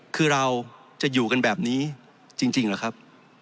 คือเราจะอยู่กันแบบนี้จริงเหรอครับ